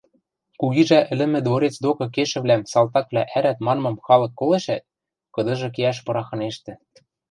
Кугижӓ ӹлӹмӹ дворец докы кешӹвлӓм салтаквлӓ ӓрӓт манмым халык колешӓт, кыдыжы кеӓш пырахынештӹ: